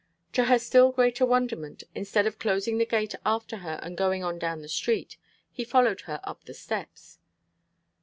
To her still greater wonderment, instead of closing the gate after her and going on down the street, he followed her up the steps.